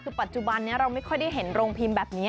คือปัจจุบันนี้เราไม่ค่อยได้เห็นโรงพิมพ์แบบนี้